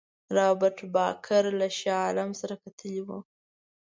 رابرټ بارکر له شاه عالم سره کتلي وه.